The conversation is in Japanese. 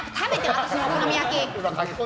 私のお好み焼き。